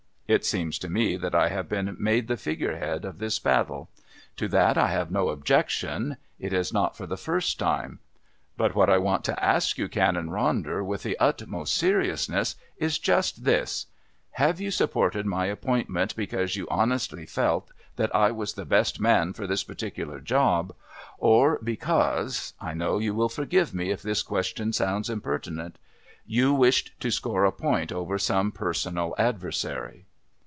It seems to me that I have been made the figure head of this battle. To that I have no objection. It is not for the first time. But what I want to ask you, Canon Ronder, with the utmost seriousness, is just this: "Have you supported my appointment because you honestly felt that I was the best man for this particular job, or because I know you will forgive me if this question sounds impertinent you wished to score a point over some personal adversary?"